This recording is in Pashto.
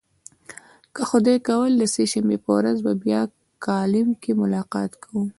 که خدای کول د سه شنبې په ورځ به بیا کالم کې ملاقات کوو.